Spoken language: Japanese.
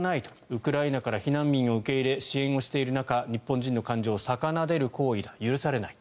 ウクライナから避難民を受け入れ支援をしている中日本人の感情を逆なでる行為だ許されない。